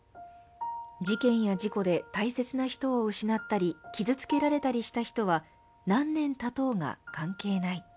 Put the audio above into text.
事件や事故で大切な人を失ったり傷つけられたりした人は何年たとうが関係ない。